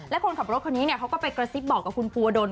และคนขับรถคนนี้เขาก็ไปกระซิบบอกกับคุณภูวดล